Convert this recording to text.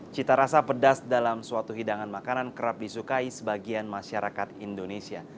cita rasa pedas dalam suatu hidangan makanan kerap disukai sebagian masyarakat indonesia